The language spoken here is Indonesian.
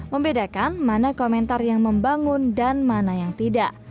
membedakan mana komentar yang membangun dan mana yang tidak